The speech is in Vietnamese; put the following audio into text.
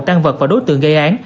tăng vật và đối tượng gây án